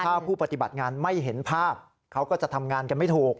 ถ้าผู้ปฏิบัติงานไม่เห็นภาพเขาก็จะทำงานกันไม่ถูก